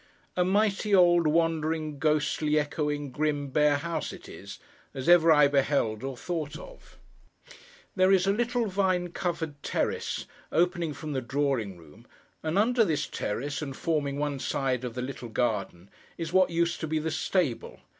A mighty old, wandering, ghostly, echoing, grim, bare house it is, as ever I beheld or thought of. There is a little vine covered terrace, opening from the drawing room; and under this terrace, and forming one side of the little garden, is what used to be the stable.